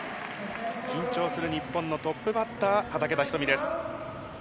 緊張する日本のトップバッター、畠田瞳です。